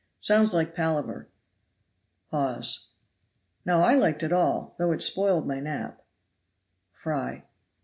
Sounds like palaver. Hawes. Now I liked it all, though it spoiled my nap. Fry.